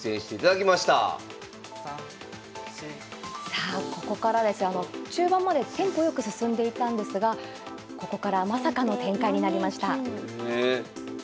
さあここからですが中盤までテンポ良く進んでいたんですがここからまさかの展開になりました。